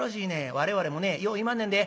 我々もねよう言いまんねんで。